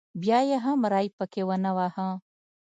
بیا یې هم ری پکې ونه واهه.